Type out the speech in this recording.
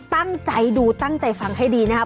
ตั้งใจดูตั้งใจฟังให้ดีนะครับ